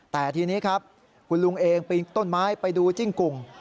แต่ทีนี้ครับคุณลุงเองปีนต้นไม้ไปดูจิ้งกุ่ง